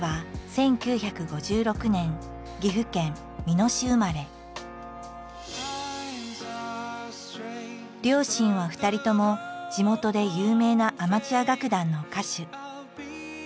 野口は両親は２人とも地元で有名なアマチュア楽団の歌手。